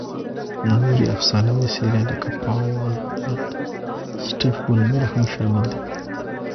نورې افسانوي څېرې لکه پاول الن، سټیف بولمیر هم شامل دي.